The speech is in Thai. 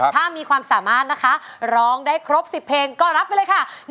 ถ้ามีความสามารถนะคะร้องได้ครบ๑๐เพลงก็รับไปเลยค่ะ